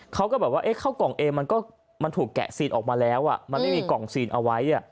เขาก็แบบว่าเข้ากล่องเอมันก็มันถูกแกะซีนออกมาแล้วมันไม่มีกล่องซีนเอาไว้